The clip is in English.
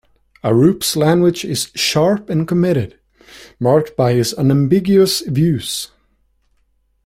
Arup's language is sharp and committed, marked by his unambiguous views.